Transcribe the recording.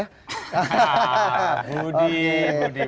hahaha budi budi budi